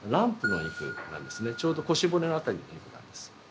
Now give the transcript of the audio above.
ちょうど腰骨のあたりのお肉なんです。